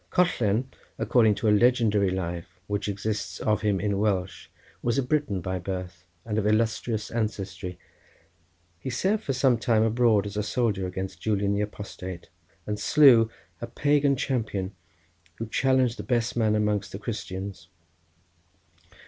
Collen, according to a legendary life, which exists of him in Welsh, was a Briton by birth, and of illustrious ancestry. He served for some time abroad as a soldier against Julian the Apostate, and slew a Pagan champion who challenged the best man amongst the Christians.